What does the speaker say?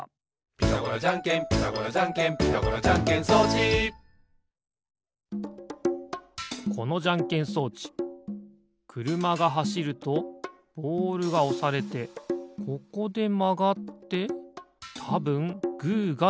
「ピタゴラじゃんけんピタゴラじゃんけん」「ピタゴラじゃんけん装置」このじゃんけん装置くるまがはしるとボールがおされてここでまがってたぶんグーがでる。